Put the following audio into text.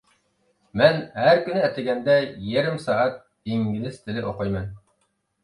مەن ھەر كۈنى ئەتىگەندە يېرىم سائەت ئىنگلىز تىلى ئوقۇيمەن.